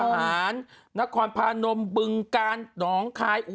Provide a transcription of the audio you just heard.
ไม่เห็นมาประกาศว่า